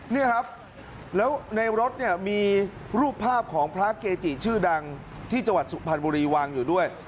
นี่ครับแล้วในรถเนี่ยมีรูปภาพของพระเกจิชื่อดังที่จังหวัดสุพรรณบุรีวางอยู่ด้วย